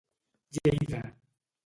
Lleida.